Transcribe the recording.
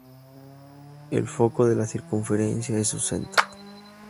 El foco de la circunferencia es su centro.